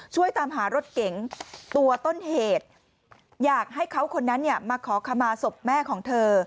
ช่วยตามหารถเก๋งตัวต้นเหตุอยากให้เขาคนนั้นเนี่ยมาขอขมาศพแม่ของเธอ